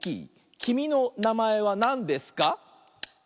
「きみのなまえはなんですか？」